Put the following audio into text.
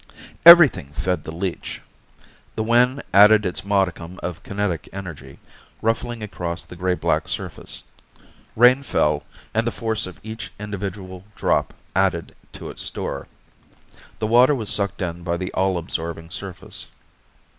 Everything fed the leech. The wind added its modicum of kinetic energy, ruffling across the gray black surface. Rain fell, and the force of each individual drop added to its store. The water was sucked in by the all absorbing surface.